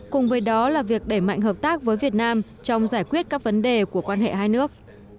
cùng với đó là việc để mạnh hợp tác với việt nam trong giải quyết các vấn đề của quan hệ hai nước